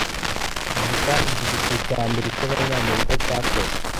Vuga igipupe cyambere cyabanyamerika cyakozwe